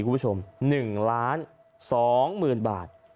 คุณผู้ชม๑ล้าน๒หมื่นบาท